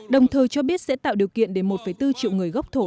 đồng thời cho biết sẽ tạo điều kiện để một bốn triệu người gốc thổ